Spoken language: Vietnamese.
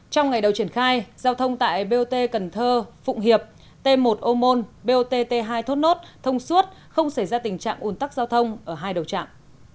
trong ngày đầu triển khai giao thông tại bot cần thơ phụng hiệp t một ô môn bot t hai thốt nốt thông suốt không xảy ra tình trạng ủn tắc giao thông ở hai đầu chạm